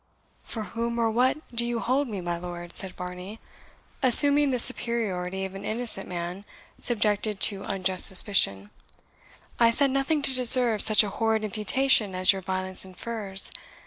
"For whom, or what, do you hold me, my lord?" said Varney, assuming the superiority of an innocent man subjected to unjust suspicion. "I said nothing to deserve such a horrid imputation as your violence infers.